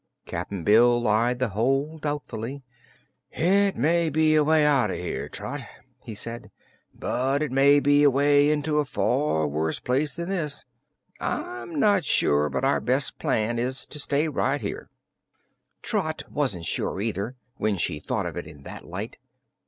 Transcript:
Cap'n Bill eyed the hole doubtfully "It may be a way out o' here, Trot," he said, "but it may be a way into a far worse place than this. I'm not sure but our best plan is to stay right here." Trot wasn't sure, either, when she thought of it in that light.